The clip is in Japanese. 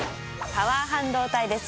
パワー半導体です。